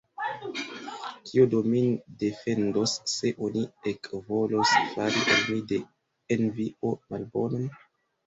Kio do min defendos, se oni ekvolos fari al mi de envio malbonon?